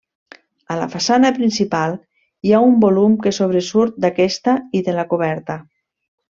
A la façana principal hi ha un volum que sobresurt d'aquesta i de la coberta.